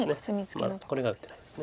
まだこれが打ってないです。